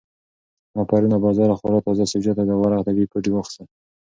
ما پرون له بازاره خورا تازه سبزیجات او د غره طبیعي بوټي واخیستل.